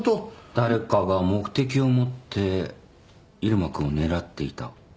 誰かが目的を持って入間君を狙っていた。